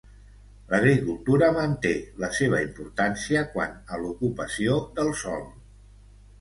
L'agricultura manté la seva importància quant a l'ocupació del sòl.